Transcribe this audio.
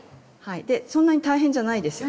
そんなに大変じゃないですよね？